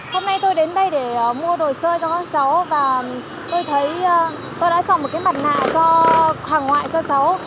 hôm nay tôi đến đây để mua đồ chơi cho các cháu và tôi thấy tôi đã sòng một cái mặt nạ cho hàng ngoại cho cháu